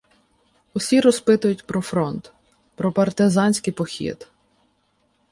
Усі розпитують про фронт, про партизанський похід.